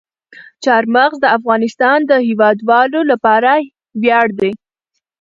چار مغز د افغانستان د هیوادوالو لپاره ویاړ دی.